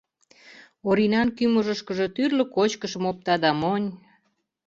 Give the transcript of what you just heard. Оринан кӱмыжышкыжӧ тӱрлӧ кочкышым опта да монь.